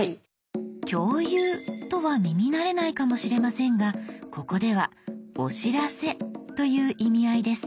「共有」とは耳慣れないかもしれませんがここでは「お知らせ」という意味合いです。